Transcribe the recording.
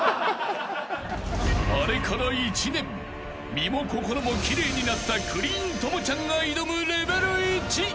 ［身も心も奇麗になったクリーン朋ちゃんが挑むレベル１］